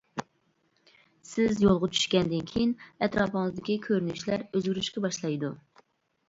سىز يولغا چۈشكەندىن كېيىن ئەتراپىڭىزدىكى كۆرۈنۈشلەر ئۆزگىرىشكە باشلايدۇ.